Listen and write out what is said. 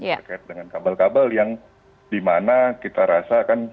terkait dengan kabel kabel yang dimana kita rasa kan